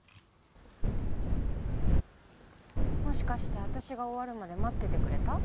もしかして私が終わるまで待っててくれた？